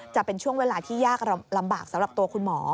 จะเป็นช่วงเวลาที่ยากลำบากสำหรับตัวคุณหมอ